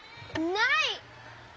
ない！